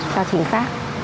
cho chính xác